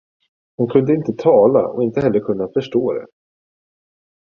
Han kunde inte tala det och inte heller kunde han förstå det.